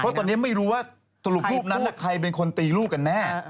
เพราะตอนนี้ไม่รู้ว่าสรุปรูปนั้นใครเป็นคนตีลูกกันแน่